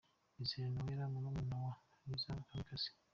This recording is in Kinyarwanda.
Izere Noella murumuna wa Liza Kamikazi.